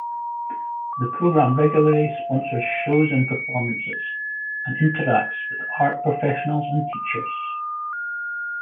The program regularly sponsors shows and performances, and interacts with art professionals and teachers.